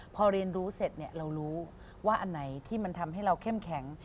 พอเรียนรู้เสร็จเนี่ยเรารู้ว่าอันไหนที่มันทำให้เราเข้มแข็ง